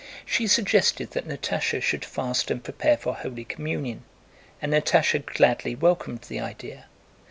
She suggested that Natásha should fast and prepare for Holy Communion, and Natásha gladly welcomed the idea.